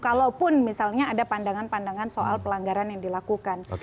kalaupun misalnya ada pandangan pandangan soal pelanggaran yang dilakukan